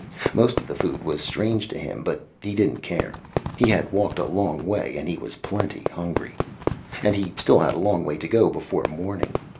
Most of the food was strange to him, but he didn't care. He had walked a long way and he was plenty hungry. And he still had a long way to go, before morning.